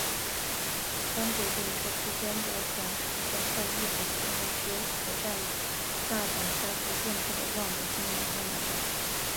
单轨电车之间的转乘站在日本国内只有此站与大阪单轨电车的万博纪念公园站。